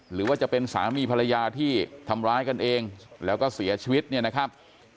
หรือว่าจะเป็นสามีภรรยาที่ทำร้ายกันเองแล้วก็เสียชีวิตเนี่ยนะครับ